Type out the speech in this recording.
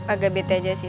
agak bete aja sih